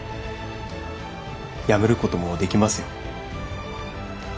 やめることもできますよ。